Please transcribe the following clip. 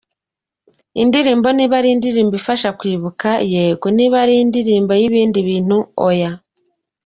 Indirimbo niba ari indirimbo ifasha kwibuka yego, niba ari indirimbo y’ibindi bintu oya.